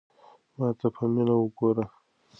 ما ته په مینه وگوره.